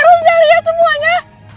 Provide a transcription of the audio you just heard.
r sudah lihat semuanya